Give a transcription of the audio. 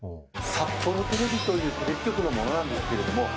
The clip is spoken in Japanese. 札幌テレビというテレビ局の者なんですけれども。